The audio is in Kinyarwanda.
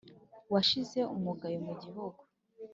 washize umugayo mu gihugu